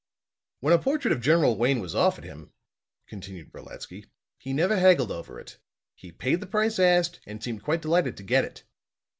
"When a portrait of General Wayne was offered him," continued Brolatsky, "he never haggled over it. He paid the price asked and seemed quite delighted to get it.